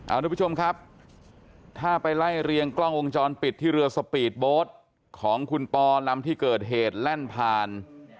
ทุกผู้ชมครับถ้าไปไล่เรียงกล้องวงจรปิดที่เรือสปีดโบ๊ทของคุณปอลำที่เกิดเหตุแล่นผ่าน